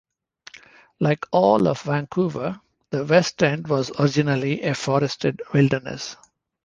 Like all of Vancouver, the West End was originally a forested wilderness.